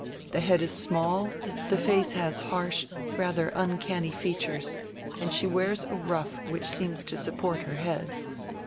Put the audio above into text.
The head is small, the face has harsh, rather uncanny features, and she wears a ruff which seems to support her head.